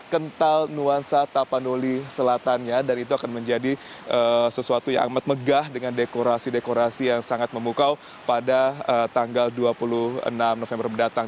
kental nuansa tapanuli selatannya dan itu akan menjadi sesuatu yang amat megah dengan dekorasi dekorasi yang sangat memukau pada tanggal dua puluh enam november mendatang